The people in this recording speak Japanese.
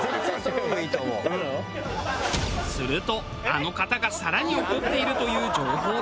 するとあの方が更に怒っているという情報が。